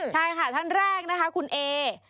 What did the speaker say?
ใช่ค่ะท่านแรกนะคะคุณเอ